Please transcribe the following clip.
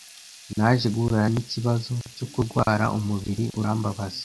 naje guhura n’ikibazo cyo kurwara umubiri urambabaza